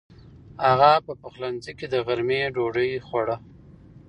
هغه په پخلنځي کې د غرمې ډوډۍ خوړه.